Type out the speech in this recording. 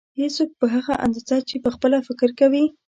هېڅوک په هغه اندازه چې پخپله فکر کوي.